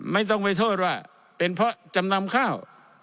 ไม่ต้องไปโทษว่าเป็นเพราะจำนำข้าว